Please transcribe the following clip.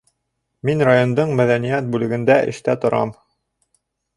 Мин райондың мәҙәниәт бүлегендә эштә торам.